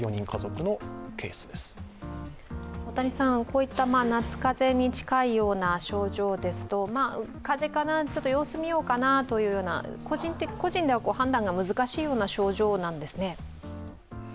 こういった夏風邪に近いような症状ですと、風邪かな、ちょっと様子を見ようかなといった個人では判断が難しいような症状なんですね。